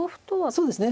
そうですね。